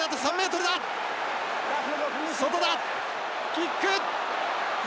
キック！